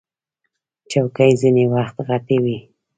چوکۍ ځینې وخت غټې وي.